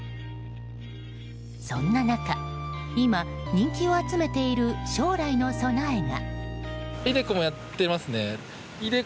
そんな中今、人気を集めている将来の備えが。